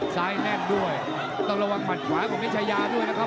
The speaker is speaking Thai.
ซ้ายแน่นต้องรวังขวารไปพวกเชยาด้วยนะครับ